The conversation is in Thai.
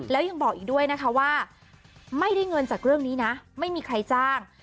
แล้วยังบอกอีกด้วยนะคะว่าไม่ได้เงินจากเรื่องนี้นะไม่มีใครจ้าง